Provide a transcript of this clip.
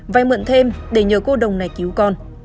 vay mượn thêm để nhờ cô đồng này cứu con